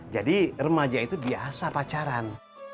jadi remaja itu biasa pacaran